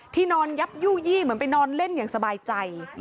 นอนยับยู่ยี่เหมือนไปนอนเล่นอย่างสบายใจ